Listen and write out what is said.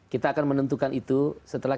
kita akan menentukan itu setelah